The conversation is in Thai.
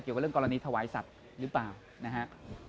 เกี่ยวกับเรื่องกรณีถวายสัตว์หรือเปล่านะฮะ